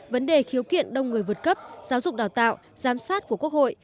vấn đề khiếu kiện đông người vượt cấp giáo dục đào tạo giám sát của quốc hội